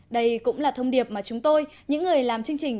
đây cũng là thông điệp mà chúng tôi những người làm chương trình